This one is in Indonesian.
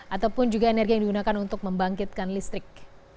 ataupun juga energi yang digunakan untuk membangkitkan listrik